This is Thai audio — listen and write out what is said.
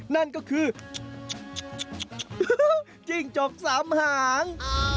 นั่นก็คือจิ้งจกสามหาง